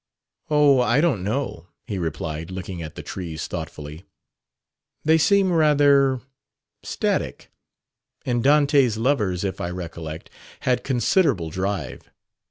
"Oh, I don't know," he replied, looking at the trees thoughtfully. "They seem rather static; and Dante's lovers, if I recollect, had considerable drive.